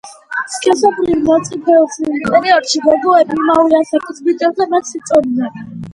სქესობრივი მომწიფების პერიოდში გოგონები იმავე ასაკის ბიჭებზე მეტს იწონიან.